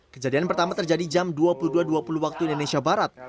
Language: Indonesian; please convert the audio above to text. kejadian pertama terjadi jam dua puluh dua dua puluh waktu indonesia barat